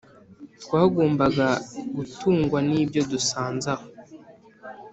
twagombaga gutungwa'ibyo dusanze aho.